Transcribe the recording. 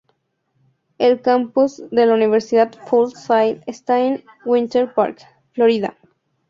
El campus de la Universidad Full Sail está en Winter Park, Florida.